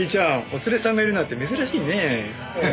お連れさんがいるなんて珍しいねえ。